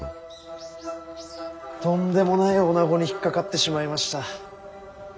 とんでもない女子に引っ掛かってしまいました。